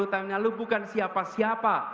lima puluh tahun yang lalu bukan siapa siapa